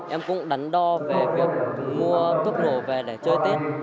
em cũng đắn đo về việc mua thuốc nổ về để chơi tết